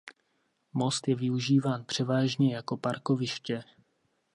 Most je využíván převážně jako parkoviště.